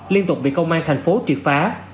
liên tục bị công an thành phố triệt phá